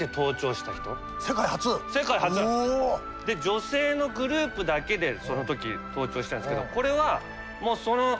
女性のグループだけでその時登頂したんですけどこれは後にも先にもその一回だけ。